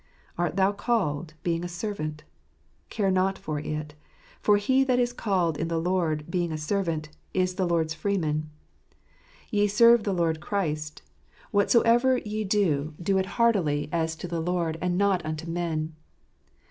Art thou called, being a servant? care not for it; for he that is called in the Lord, being a servant, is the Lord's freeman." "Ye serve the Lord Christ. Whatsoever ye do, do it heartily, as to c 34 Itt flje House at ^oftjrljar. the Lord, and not unto men."